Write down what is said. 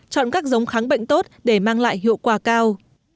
chọn các giống kháng bệnh tốt để mang lại hiệu quả cao